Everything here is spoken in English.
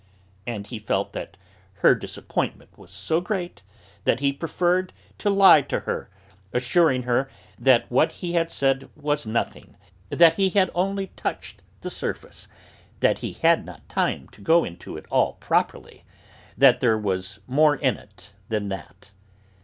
And he felt that her disappointment was so great that he preferred to lie to her, assuring her that what he had said was nothing, that he had only touched the surface, that he had not time to go into it all properly, that there was more in it than that.